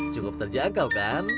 cukup terjangkau kan